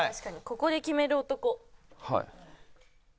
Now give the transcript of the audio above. ここで決める男。